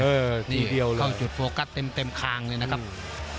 เข้าจุดโฟกัสเต็มขางเลยนะครับ